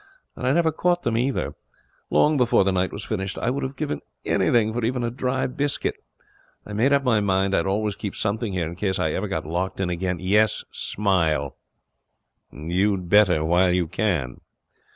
And I never caught them either. Long before the night was finished I would have given anything for even a dry biscuit. I made up my mind I'd always keep something here in case I ever got locked in again yes, smile. You'd better while you can.'